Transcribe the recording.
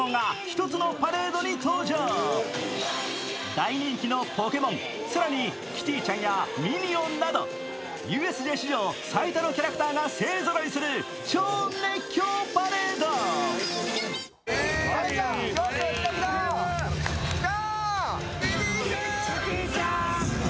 大人気のポケモン、さらにキティちゃんやミニオンなどＵＳＪ史上最多のキャラクターが勢ぞろいする超熱狂パレード。来た、来た！来た！